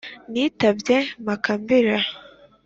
Nitabye Makambira ;